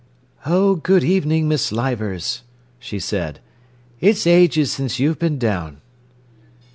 "Oh, good evening, Miss Leivers," she said. "It's ages since you've been down."